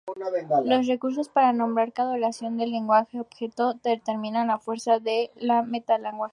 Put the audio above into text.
Los recursos para nombrar cada oración del lenguaje objeto determinan la fuerza del metalenguaje.